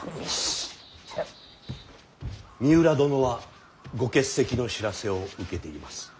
三浦殿はご欠席の知らせを受けています。